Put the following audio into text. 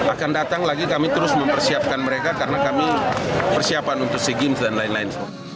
akan datang lagi kami terus mempersiapkan mereka karena kami persiapan untuk sea games dan lain lain